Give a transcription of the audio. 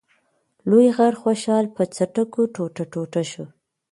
لوی غر خوشحال په څټکو ټوټه ټوټه شو.